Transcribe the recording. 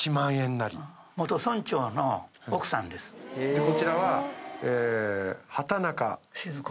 でこちらは。